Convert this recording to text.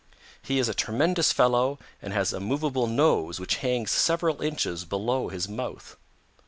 He is a tremendous fellow and has a movable nose which hangs several inches below his mouth.